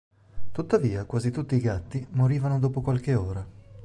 Tuttavia quasi tutti i gatti morivano dopo qualche ora.